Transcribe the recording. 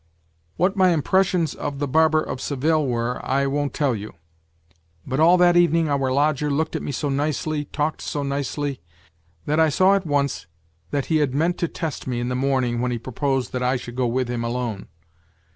" What my impressions of The Barber of Seville were I won't tell you ; but all that evening our lodger looked at me so nicely, talked so nicely, that I saw at once that he had meant to test me in the morning when he proposed that I should go with him alone.